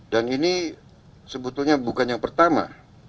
dan ini sebetulnya bukan yang pertama